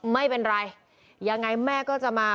ไม่เป็นไรยังไงแม่ก็จะมา